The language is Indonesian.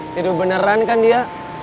tidur beneran kan dia